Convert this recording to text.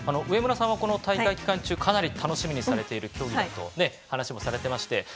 上村さんはこの大会期間中かなり楽しみにされている競技だと話していまして。